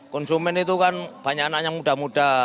konsumen itu kan banyak anaknya muda muda